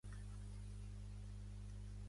Per a llavors la brigada es trobava molt infringida.